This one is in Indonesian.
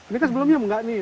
ini kan sebelumnya enggak nih